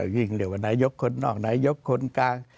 วิ่งเร็วว่านายกคนนอกนายกคนนอกนอก